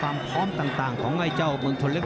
สำคัญต่างของไว้เจ้าเมืองสนเล็ก